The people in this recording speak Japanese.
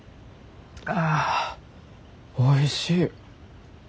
あおいしい。